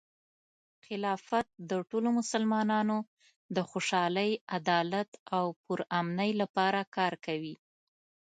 خلافت د ټولو مسلمانانو د خوشحالۍ، عدالت، او پرامنۍ لپاره کار کوي.